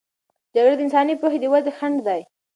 جګړه د انساني پوهې د ودې خنډ دی.